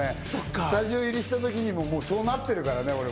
スタジオ入りした時にもうそうなってるからね。